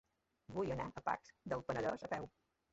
Vull anar a Pacs del Penedès a peu.